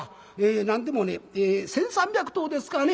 何でもね１，３００頭ですからね。